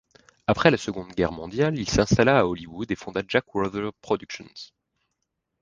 Après la Seconde Guerre mondiale, il s'installa à Hollywood et fonda Jack Wrather Productions.